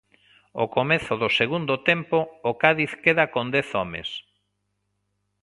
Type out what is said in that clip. Ao comezo do segundo tempo o Cádiz queda con dez homes.